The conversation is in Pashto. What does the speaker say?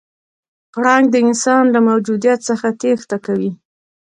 پړانګ د انسان له موجودیت څخه تېښته کوي.